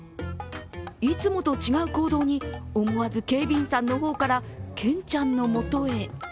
いつもと違う行動に思わず警備員さんの方からケンちゃんのもとへ。